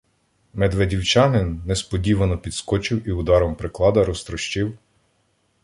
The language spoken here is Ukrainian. Медведівчанин несподівано підскочив і ударом приклада розтрощив